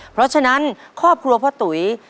เพราะฉะนั้นครอบครัวพ่อตุ๋ย